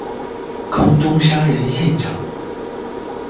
空中殺人現場